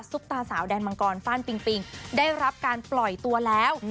ตาสาวแดนมังกรฟ่านปิงปิงได้รับการปล่อยตัวแล้ว